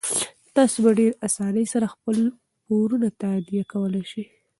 تاسو په ډیرې اسانۍ سره خپل پورونه تادیه کولی شئ.